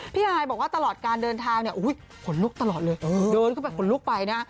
ฮายบอกว่าตลอดการเดินทางเนี่ยขนลุกตลอดเลยเดินเข้าไปขนลุกไปนะ